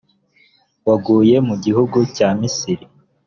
wagukuye mu gihugu cya misiri,